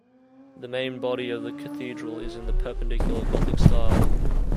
The main body of the cathedral is in the Perpendicular Gothic style.